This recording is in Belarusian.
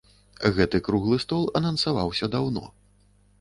Гэты круглы стол анансаваўся даўно.